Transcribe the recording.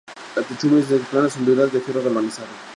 La techumbre es de planchas onduladas de fierro galvanizado.